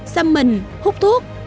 xâm mình hút thuốc